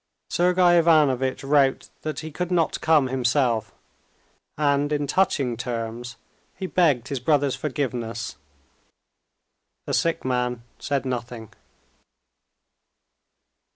Sergey Ivanovitch wrote that he could not come himself, and in touching terms he begged his brother's forgiveness. The sick man said nothing.